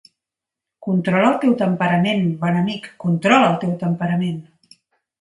Controla el teu temperament, bon amic, controla el teu temperament!